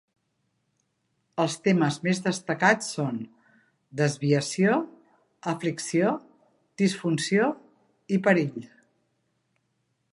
Els temes més destacats són "desviació, aflicció, disfunció i perill".